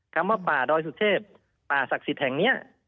คำว่าป่าดอยสุเทพป่าศักดิ์สิทธิ์แห่งนี้